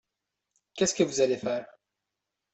Qu'est-ce que vous allez faire ?